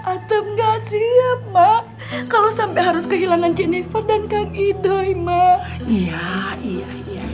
atau nggak sih ya pak kalau sampai harus kehilangan jennifer dan kang ido iya iya iya